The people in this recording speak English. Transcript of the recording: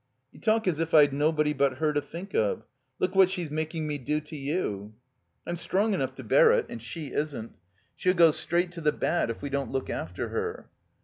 "You talk as if I'd nobody but her to think of. Look what she's making me do to you —" "I'm strong enough to bear it and she isn't. She'll go straight to the bad if we don't look after her."